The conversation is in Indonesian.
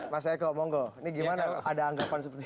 mas eko monggo ini gimana ada anggapan seperti itu